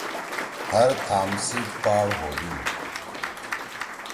ہر تھام سی پاڑ ہودُو۔